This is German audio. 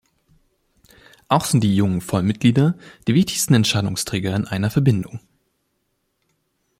Auch sind die jungen Vollmitglieder die wichtigsten Entscheidungsträger in einer Verbindung.